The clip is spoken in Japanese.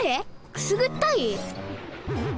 くすぐったい？